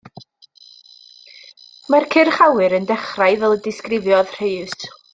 Mae'r cyrch awyr yn dechrau fel y disgrifiodd Rhys.